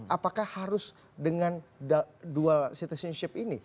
apakah harus dengan dual citizenship ini